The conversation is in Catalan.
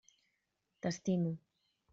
T'estimo!